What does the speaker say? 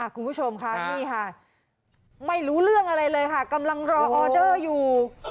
คุณผู้ชมค่ะนี่ค่ะไม่รู้เรื่องอะไรเลยค่ะกำลังรอออเดอร์อยู่